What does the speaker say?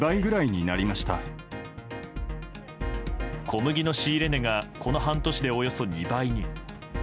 小麦の仕入れ値がこの半年でおよそ２倍に。